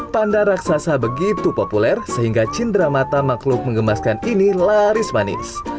panda raksasa begitu populer sehingga cindera mata makhluk mengemaskan ini laris manis